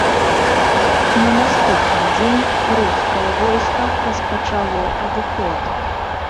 На наступны дзень рускае войска распачало адыход.